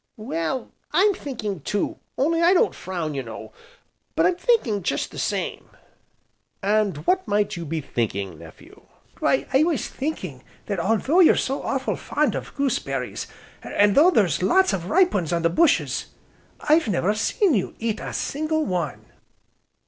"Well, I'm thinking too, only I don't frown, you know, but I'm thinking just the same." "And what might you be thinking, nephew?" "Why I was thinking that although you're so awful fond of goose berries, an' though there's lots of ripe ones on the bushes I've never seen you eat a single one."